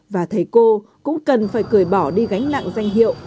và thầy cô cũng cần phải cởi bỏ đi gánh nặng danh hiệu